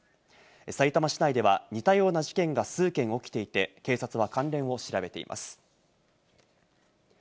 さいたま市内では似たような事件が数件起きていて、警察は関連を調べています。